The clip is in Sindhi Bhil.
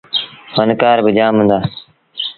ڦنڪآر با جآم هُݩدآ۔